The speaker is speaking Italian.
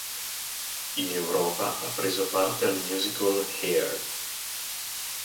In Europa ha preso parte al musical "Hair".